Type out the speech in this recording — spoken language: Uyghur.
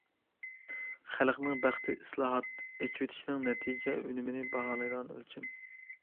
خەلقنىڭ بەختى ئىسلاھات، ئېچىۋېتىشنىڭ نەتىجە- ئۈنۈمىنى باھالايدىغان ئۆلچەم.